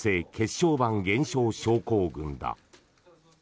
小板減少症候群だ。